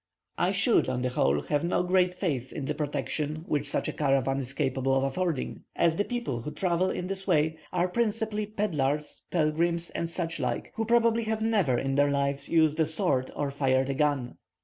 I should, on the whole, have no great faith in the protection which such a caravan is capable of affording, as the people who travel in this way are principally pedlars, pilgrims, and such like, who probably have never in their lives used a sword or fired a gun.